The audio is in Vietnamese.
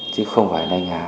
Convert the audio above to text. chứ không phải là anh hà